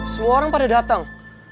semua orang pada dateng